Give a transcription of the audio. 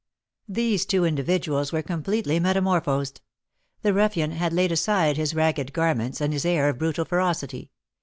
These two individuals were completely metamorphosed. The ruffian had laid aside his ragged garments and his air of brutal ferocity.